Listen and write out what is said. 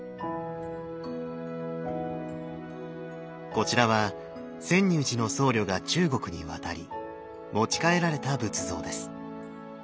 こちらは泉涌寺の僧侶が中国に渡り持ち帰られた仏像です。